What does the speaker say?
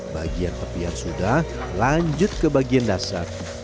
bagian tepian sudah lanjut ke bagian dasar